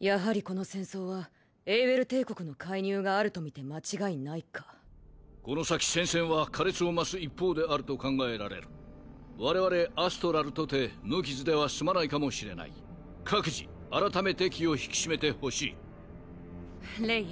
やはりこの戦争はエイウェル帝国の介入があるとみて間違いないかこの先戦線は苛烈を増す一方であると考えられる我々アストラルとて無傷では済まないかもしれない各自改めて気を引き締めてほしいレイ